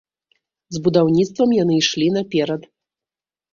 З будаўніцтвам яны ішлі наперад.